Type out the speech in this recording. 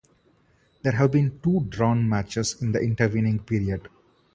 There have been two drawn matches in the intervening period.